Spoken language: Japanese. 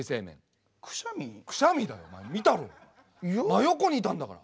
真横にいたんだから。